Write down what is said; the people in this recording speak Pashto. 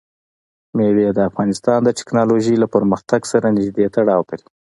مېوې د افغانستان د تکنالوژۍ له پرمختګ سره نږدې تړاو لري.